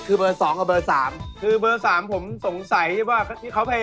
แต่เบอร์๒เนี่ย